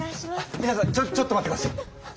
みなさんちょちょっと待ってください！